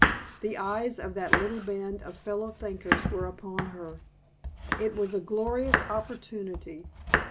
The eyes of that little band of fellow thinkers were upon her. It was a glorious opportunity.